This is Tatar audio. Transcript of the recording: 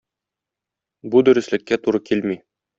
Бу дөреслеккә туры килми.